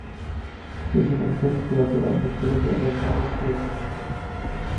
Se licenció en Literatura en el Colegio Barnard de la ciudad de Nueva York.